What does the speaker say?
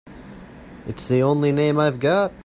It's the only name I've got.